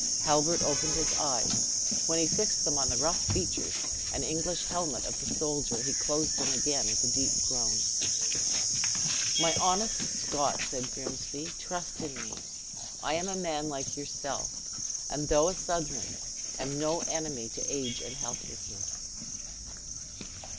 Halbert opened his eyes. When he fixed them on the rough features and English helmet of the soldier, he closed them again with a deep groan. "My honest Scot," said Grimsby, "trust in me. I am a man like yourself; and though a Southron, am no enemy to age and helplessness."